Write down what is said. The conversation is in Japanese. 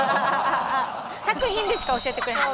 作品でしか教えてくれへん